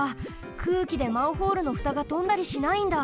くうきでマンホールのふたがとんだりしないんだ。